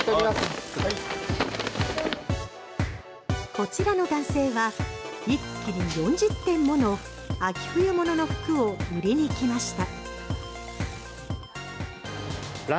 こちらの男性は一気に４０点ものを秋冬物の服を売りに来ました。